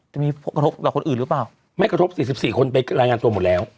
กระทบต่อคนอื่นหรือเปล่าไม่กระทบ๔๔คนไปรายงานตัวหมดแล้ว